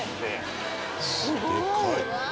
すごい！